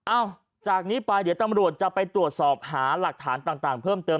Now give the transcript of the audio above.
จากนี้ไปเดี๋ยวตำรวจจะไปตรวจสอบหาหลักฐานต่างเพิ่มเติม